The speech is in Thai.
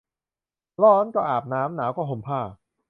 ร้อนก็อาบน้ำ หนาวก็ห่มผ้า